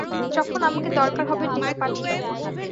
যখন আমাকে দরকার হবে ডেকে পাঠিয়ো।